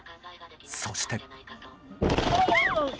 そして。